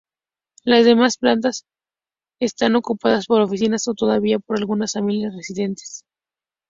Las demás plantas están ocupadas por oficinas o todavía por algunas familias residentes.